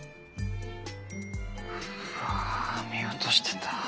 うわ見落としてた。